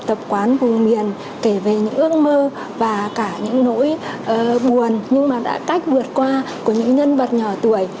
cái phong tục tập quán vùng miền kể về những ước mơ và cả những nỗi buồn nhưng mà đã cách vượt qua của những nhân vật nhỏ tuổi